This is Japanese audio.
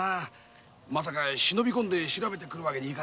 まさか忍び込んで調べるわけにもな。